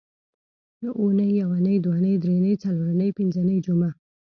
اونۍ یونۍ دونۍ درېنۍ څلورنۍ پینځنۍ جمعه